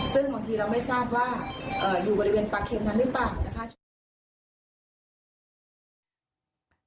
ซึ่งบางทีเราไม่ทราบว่าอยู่บริเวณปลาเค็มนั้นหรือเปล่านะคะ